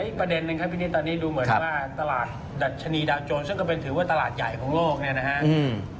อีกประเด็นนึงครับพี่นิดตอนนี้ดูเหมือนว่าตลาดดัชนีดาวโจรซึ่งก็เป็นถือว่าตลาดใหญ่ของโลกเนี่ยนะครับ